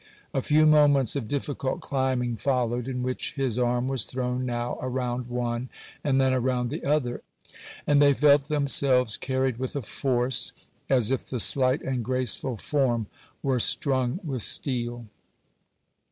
A few moments of difficult climbing followed, in which his arm was thrown now around one and then around the other, and they felt themselves carried with a force, as if the slight and graceful form were strung with steel.